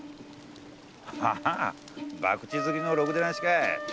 ああ博打好きのろくでなしかい。